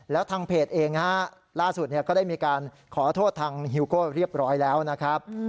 แล้วทางเพจเองล่าสุดก็ได้มีการขอโทษทางฮิวโก้เรียบร้อยแล้วนะครับ